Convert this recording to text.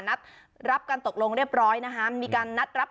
นัดรับกันตกลงเรียบร้อยนะฮะ